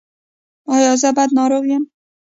ایا زه بد ناروغ یم؟